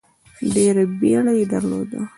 ډېره بیړه یې درلوده.